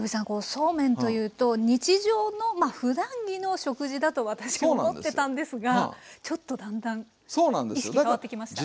そうめんというと日常のまあふだん着の食事だと私思ってたんですがちょっとだんだん意識変わってきました。